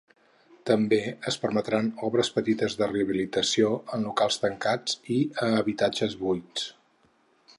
També es permetran obres petites de rehabilitació en locals tancats i a habitatges buits.